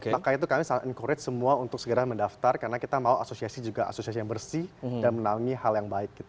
maka itu kami sangat encourage semua untuk segera mendaftar karena kita mau asosiasi juga asosiasi yang bersih dan menangi hal yang baik